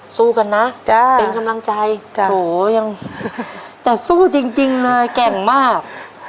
อะสู้กันนะจ้ะเป็นชำลังใจจ้ะโถยังแต่สู้จริงจริงเลยแก่งมาก